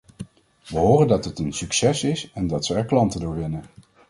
We horen dat het een succes is en dat ze er klanten door winnen.